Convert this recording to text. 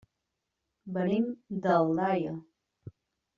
Venim d'Aldaia.